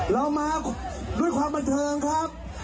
เรามาด้วยความบันเทิงครับ